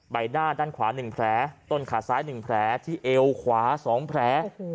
ใบหน้าด้านขวา๑แผลต้นขาซ้าย๑แผลที่เอวขวา๒แผล